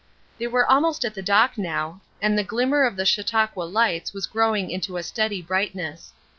They were almost at the dock now, and the glimmer of the Chautauqua lights was growing into a steady brightness.